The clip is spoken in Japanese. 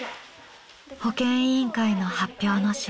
保健委員会の発表の指導。